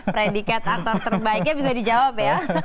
predikat aktor terbaiknya bisa dijawab ya